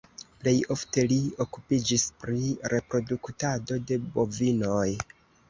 Plej ofte li okupiĝis pri reproduktado de bovinoj.